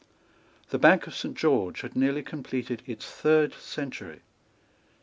The bank of Saint George had nearly completed its third century.